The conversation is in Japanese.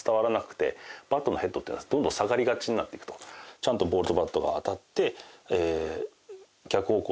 ちゃんとボールとバットが当たって。